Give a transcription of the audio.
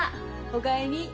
お帰り。